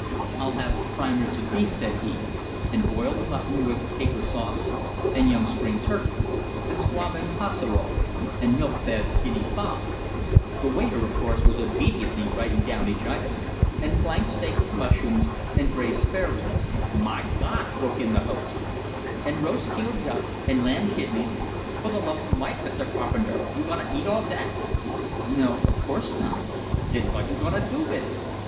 "I'll have prime ribs of beef," said he; "and boiled mutton with caper sauce; and young spring turkey; and squab en casserole; and milk fed guinea fowl " The waiter, of course, was obediently writing down each item. "And planked steak with mushrooms; and braised spare ribs " "My Gawd!" broke in the host. "And roast teal duck; and lamb kidneys " "Fer the love o' Mike, Mr. Carpenter, you gonna eat all dat?" "No; of course not." "Den vot you gonna do vit it?"